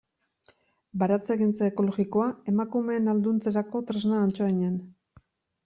Baratzegintza ekologikoa emakumeen ahalduntzerako tresna Antsoainen.